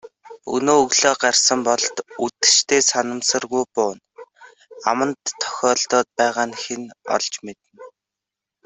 Өнөө өглөө гарсан Болд мөн үдэштээ санамсаргүй бууны аманд тохиолдоод байгааг хэн олж мэднэ.